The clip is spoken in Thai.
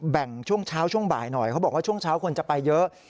ช่วงเช้าช่วงบ่ายหน่อยเขาบอกว่าช่วงเช้าคนจะไปเยอะ